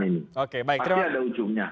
ini oke baik pasti ada ujungnya